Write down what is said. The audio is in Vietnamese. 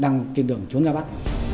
đang trên đường trốn ra bắc